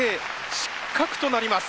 失格となります。